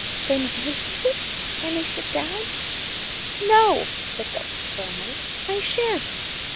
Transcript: "Then will you when they sit down?" "No," said Dulcie firmly, "I shan't."